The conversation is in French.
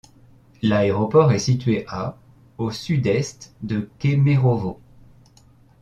L'aéroport est situé à au sud-est de Kemerovo.